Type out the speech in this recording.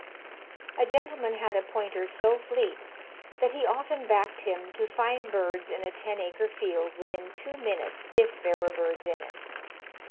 A gentleman had a pointer so fleet that he often backed him to find birds in a ten acre field within two minutes, if there were birds in it.